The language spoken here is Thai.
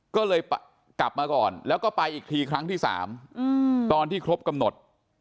ก็เลยกลับมาก่อนแล้วก็ไปอีกทีครั้งที่๓ตอนที่ครบกำหนด